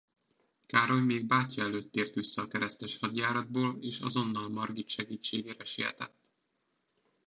Károly még bátyja előtt tért vissza a keresztes hadjáratból és azonnal Margit segítségére sietett.